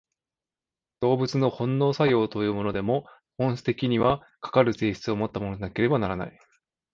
動物の本能作用というものでも、本質的には、かかる性質をもったものでなければならない。